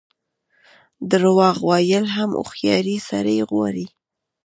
درواغ ویل هم هوښیار سړی غواړي.